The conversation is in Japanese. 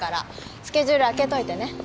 スケジュール空けといてね